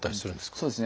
そうですね。